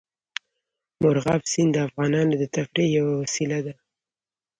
مورغاب سیند د افغانانو د تفریح یوه وسیله ده.